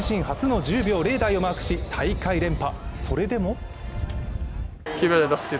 追い風参考ながら自身初の１０秒０台をマークし、大会連覇。